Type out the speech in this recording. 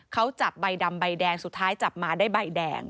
เขาจับใบดำใบแดงสุดท้ายจับมาได้ใบแดง